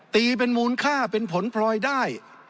ตีเป็นมูลค่าเป็นผลพลอยได้